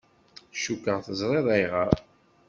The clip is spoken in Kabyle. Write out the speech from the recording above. Cukkeɣ teẓriḍ ayɣer.